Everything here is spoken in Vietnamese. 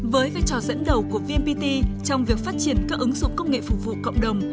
với trò dẫn đầu của vnpt trong việc phát triển các ứng dụng công nghệ phục vụ cộng đồng